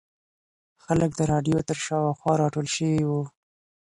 خلک د رادیو تر شاوخوا راټول شوي وو.